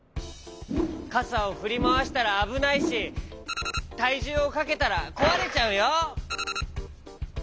かさをふりまわしたらあぶないしたいじゅうをかけたらこわれちゃうよ。